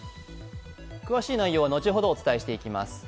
詳しい内容は後ほどお伝えしていきます。